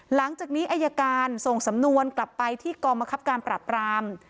หลังจากนี้อายการส่งสำนวนกลับไปที่กองบังคับการปรับราม